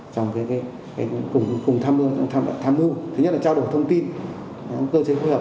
trong cùng tham mưu thứ nhất là trao đổi thông tin cơ chế phối hợp